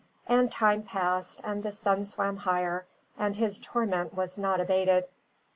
And time passed, and the sun swam higher, and his torment was not abated.